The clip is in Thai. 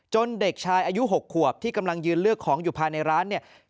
เด็กชายอายุ๖ขวบที่กำลังยืนเลือกของอยู่ภายในร้านเนี่ย